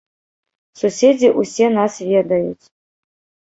Суседзі ўсе нас ведаюць.